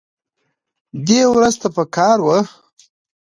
دې ورځ ته پکار وه